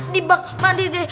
di bak mandi deh